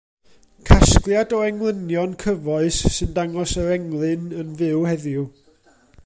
Casgliad o englynion cyfoes sy'n dangos yr englyn yn fyw heddiw.